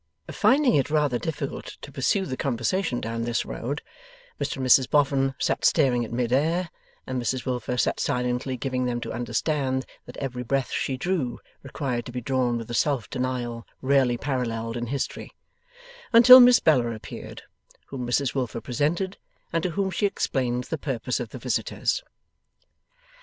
Finding it rather difficult to pursue the conversation down this road, Mr and Mrs Boffin sat staring at mid air, and Mrs Wilfer sat silently giving them to understand that every breath she drew required to be drawn with a self denial rarely paralleled in history, until Miss Bella appeared: whom Mrs Wilfer presented, and to whom she explained the purpose of the visitors.